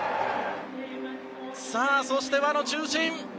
そして輪の中心